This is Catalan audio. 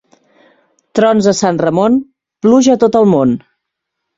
Trons a Sant Ramon, pluja a tot el món.